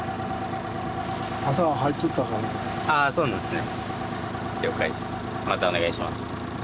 ああそうなんですね。